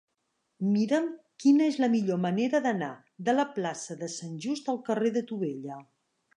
Mira'm quina és la millor manera d'anar de la plaça de Sant Just al carrer de Tubella.